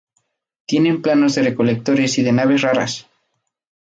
Tienen planos de recolectores y de naves raras.